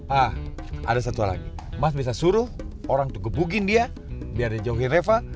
ah ada satu lagi mas bisa suruh orang tuh gebukin dia biar johir reva